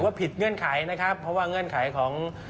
ผิดเงื่อนไขนะครับเพราะว่าเงื่อนไขของ